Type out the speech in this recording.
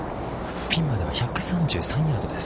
◆ピンまでは１３３ヤードです。